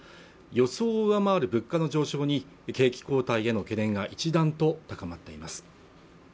予想を上回る物価の上昇に景気後退への懸念が一段と高まっています